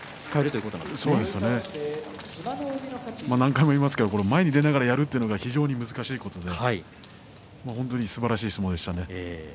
そうですね何回も言いますけれども前に出ながらやるというのが非常に難しいことで非常にすばらしい相撲でしたね。